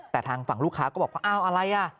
แต่ทางฝั่งลูกค้าก็บอกว่าอ้าวอะไรอ่ะ